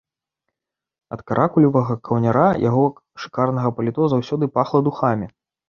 Ад каракулевага каўняра яго шыкарнага паліто заўсёды пахла духамі.